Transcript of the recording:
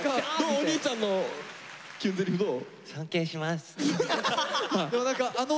お兄ちゃんのキュンゼリフどう？